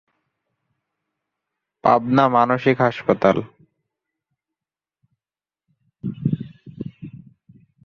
পাবনা মানসিক হাসপাতাল